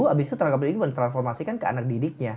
habis itu tenaga pendidik men transformasikan ke anak didiknya